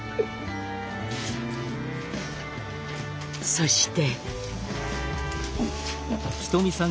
そして。